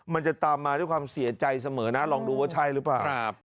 มันจะตามมาด้วยความเสียใจเสมอนะลองดูว่าใช่หรือเปล่า